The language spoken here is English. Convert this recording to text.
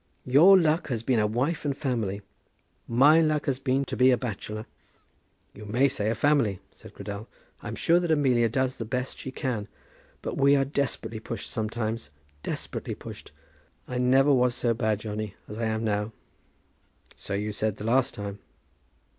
"Your luck has been a wife and family. My luck has been to be a bachelor." "You may say a family," said Cradell. "I'm sure that Amelia does the best she can; but we are desperately pushed some times, desperately pushed. I never was so bad, Johnny, as I am now." "So you said the last time."